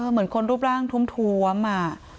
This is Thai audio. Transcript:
เหมือนคนรูปร่างทวมอะ